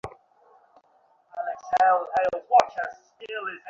নাহয় আর-সবাই জানতে পারলে।